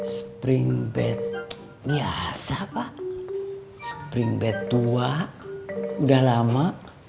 spring bed biasa pak spring bed tua udah lama